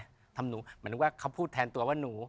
เหมือนนึกว่าเขาพูดแทนตัวว่าหนู